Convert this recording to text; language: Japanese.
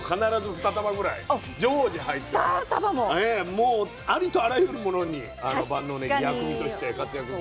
もうありとあらゆるものにあの万能ねぎ薬味として活躍するし。